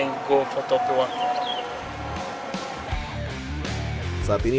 saat ini persebaya surabaya di bawah asumsi ke dua